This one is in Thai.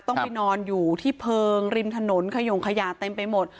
ต้องไปนอนอยู่ที่เพลิงริมถนนขยงขยะเต็มไปหมด